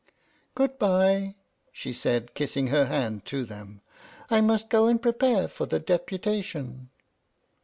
"Good by," she said, kissing her hand to them. "I must go and prepare for the deputation."